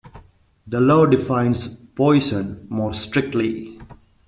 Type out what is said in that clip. The law defines "poison" more strictly.